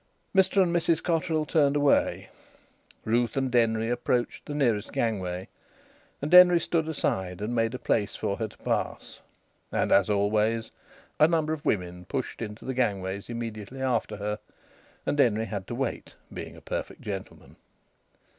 Mr and Mrs Cotterill turned away. Ruth and Denry approached the nearest gangway, and Denry stood aside, and made a place for her to pass. And, as always, a number of women pushed into the gangways immediately after her, and Denry had to wait, being a perfect gentleman.